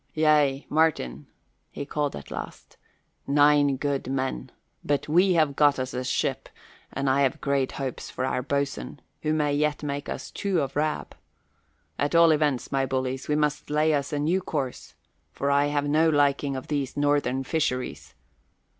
"Yea, Martin," he called at last, "nine good men. But we have got us a ship and I have great hopes of our boatswain, who may yet make us two of Rab. At all events, my bullies, we must lay us a new course, for I have no liking of these northern fisheries.